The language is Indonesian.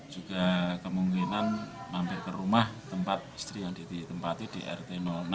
juga kemungkinan mampir ke rumah tempat istri yang ditempati di rt enam